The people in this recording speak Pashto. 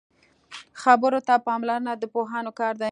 خبرو ته پاملرنه د پوهانو کار دی